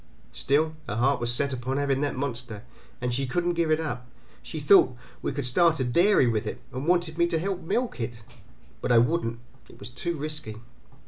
Still, her heart was set upon having that monster, and she couldn't give it up. She thought we could start a dairy with it, and wanted me to help milk it; but I wouldn't; it was too risky.